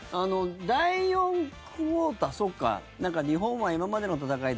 第４クオーター日本は今までの戦い